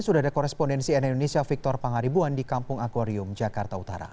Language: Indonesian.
sudah ada korespondensi nn indonesia victor pangaribuan di kampung akwarium jakarta utara